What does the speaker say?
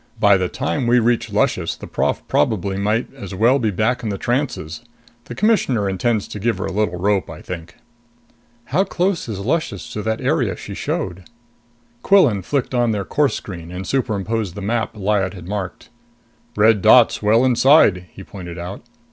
"By the time we reach Luscious, the prof probably might as well be back in the trances. The Commissioner intends to give her a little rope, I think." "How close is Luscious to that area she showed?" Quillan flicked on their course screen and superimposed the map Lyad had marked. "Red dot's well inside," he pointed out.